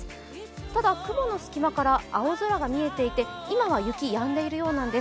ただ、雲の隙間から青空が見えていて、今は雪やんでいるようなんです、